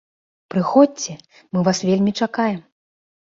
Прыходзьце, мы вас вельмі чакаем!